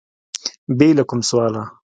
بې له کوم سواله